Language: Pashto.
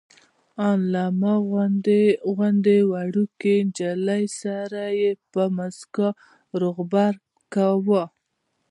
ان له ما غوندې وړوکې نجلۍ سره یې په موسکا روغبړ کاوه.